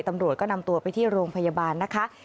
ตำรวจก็นำตัวไปที่โรงพยาบาลนะคะ